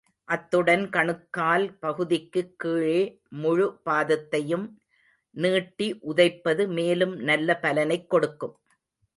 அத்துடன் கணுக்கால் பகுதிக்குக் கீழே முழு பாதத்தையும் நீட்டி உதைப்பது மேலும் நல்ல பலனைக் கொடுக்கும்.